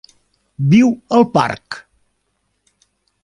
Viu al parc.